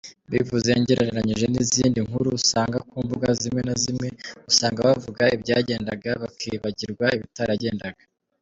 Mbivuze ngereranyije nizindi nkuru usanga kumbuga zimwe nazi zimwe usanga bavuga ibyagendaga bakibagirwa ibitaragendaga.